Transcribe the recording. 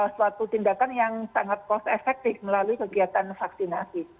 suatu tindakan yang sangat cost efektif melalui kegiatan vaksinasi